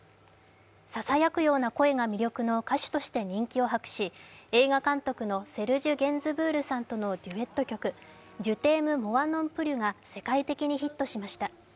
ささやくような声が魅力の歌手として人気を博し映画監督のセルジュ・ゲンズブールさんとのデュエット曲、「ジュ・テーム・モワ・ノン・プリュ」が世界的にヒットしました。